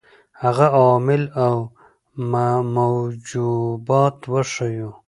هغه عوامل او موجبات وښيیو.